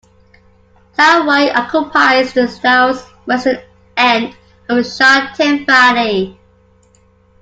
Tai Wai occupies the southwestern end of the Sha Tin Valley.